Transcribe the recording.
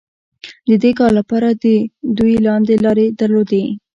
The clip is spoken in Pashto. د دې کار لپاره دوی لاندې لارې درلودې.